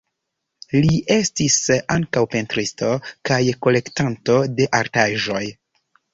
Li estis ankaŭ pentristo kaj kolektanto de artaĵoj.